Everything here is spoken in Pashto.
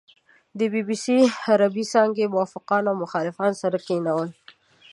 د بي بي سي عربې څانګې موافقان او مخالفان سره کېنول.